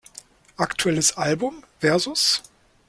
Aktuelles Album: "Vs.